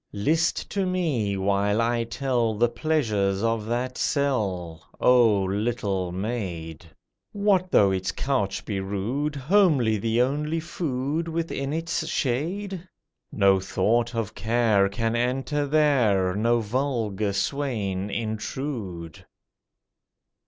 List to me, while I tell The pleasures of that cell, Oh, little maid! What though its couch be rude, Homely the only food Within its shade? No thought of care Can enter there, No vulgar swain intrude!